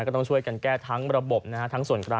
ก็ต้องช่วยกันแก้ทั้งระบบนะฮะ